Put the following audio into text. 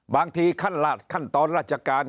บางทีขั้นตอนราชการ